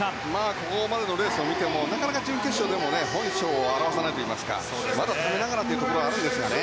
ここまでのレースを見てもなかなか準決勝でも本性を現さないといいますかまだためながらというところがあるんですかね。